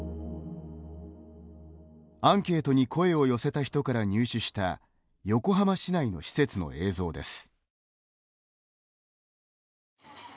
アンケートに声を寄せた人から入手した横浜市内の施設の映像です。